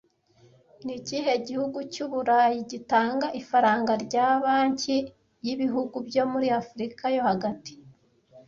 Ni ikihe gihugu cy'Uburayi gitanga ifaranga rya Banki y'ibihugu byo muri Afurika yo hagati